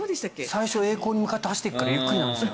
最初栄光に向かって走っていくからゆっくりなんです。